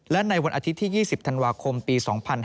และในวันอาทิตย์ที่๒๐ธันวาคมปี๒๕๕๙